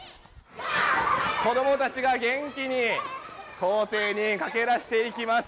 子供たちが元気に校庭に駆け出していきます。